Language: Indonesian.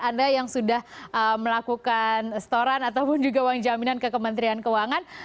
anda yang sudah melakukan setoran ataupun juga uang jaminan ke kementerian keuangan